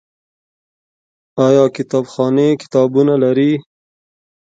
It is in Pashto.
آیا کتابخانې کتابونه لري؟